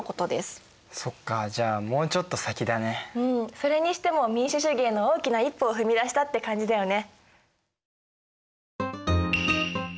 それにしても民主主義への大きな一歩を踏み出したって感じだよね。